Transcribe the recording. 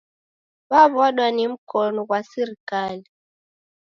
W'aw'adwa ni mkonu ghwa sirikali